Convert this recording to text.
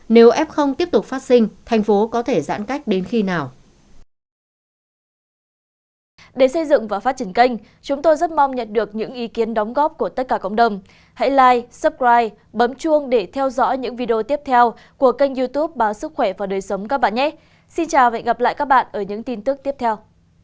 nếu f tiếp tục phát sinh thành phố có thể giãn cách đến khi nào